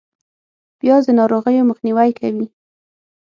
پیاز د ناروغیو مخنیوی کوي